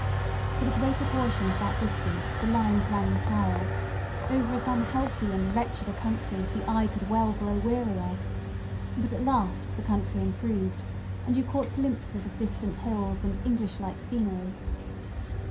For the greater portion of that distance the lines ran on piles, over as unhealthy and wretched a country as the eye could well grow weary of; but, at last, the country improved, and you caught glimpses of distant hills and English like scenery.